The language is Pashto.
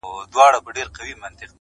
له دې سببه تاریکه ستایمه.